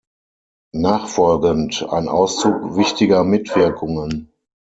Nachfolgend ein Auszug wichtiger Mitwirkungen.